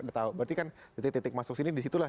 berarti kan titik titik masuk sini disitulah